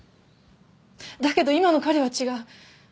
だけど今の彼は違う。